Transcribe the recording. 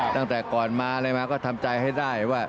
ตั้งแต่ก่อนมาอะไรมาก็ทำใจให้ได้ว่า